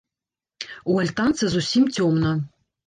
У альтанцы зусім цёмна.